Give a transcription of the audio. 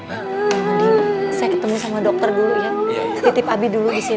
amadi saya ketemu sama dokter dulu ya titip abi dulu disini